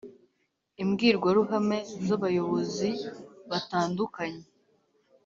imbwirwaruhame z abayobozi batandukanye